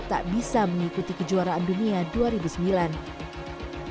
tak bisa mengikuti kejuaraan dunia di dunia ini dan juga memiliki kejadian yang menarik di dunia ini